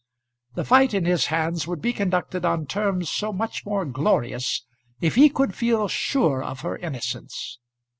The fight in his hands would be conducted on terms so much more glorious if he could feel sure of her innocence.